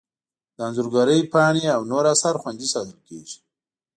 د انځورګرۍ پاڼې او نور اثار خوندي ساتل کیږي.